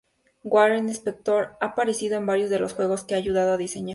Warren Spector ha aparecido en varios de los juegos que ha ayudado a diseñar.